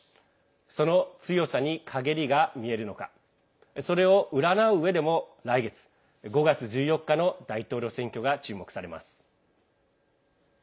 その強さにかげりが見えるのかそれを占ううえでも来月５月１４日の大統領選挙が注目されます。